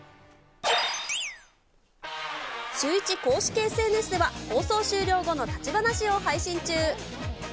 シューイチ公式ＳＮＳでは、放送終了後の立ち話を配信中。